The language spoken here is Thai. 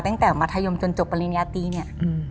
ตั้งแต่มัธยมจนจบปริญญาตีเนี่ย